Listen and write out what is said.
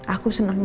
aku seneng banget